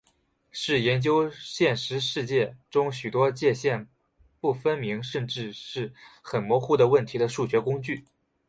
是研究现实世界中许多界限不分明甚至是很模糊的问题的数学工具。